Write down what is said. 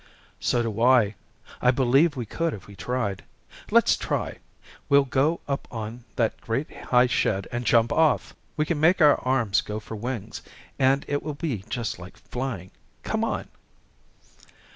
"So do I. I believe we could if we tried. Let's try. We'll go up on that great high shed and jump off. We can make our arms go for wings, and it will be just like flying. Come on."